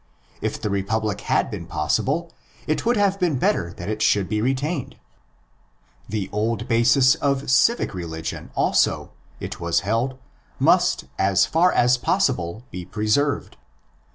If the republic had been possible, it would have been better that it should be retained. THE ANTI HELLENIC REACTION 39 The old basis of civic religion also, it was held, must as far as possible be preserved.